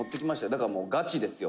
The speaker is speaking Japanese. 「だから、ガチですよ。